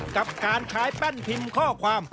กับการใช้แป้นพิมพ์ข้อความ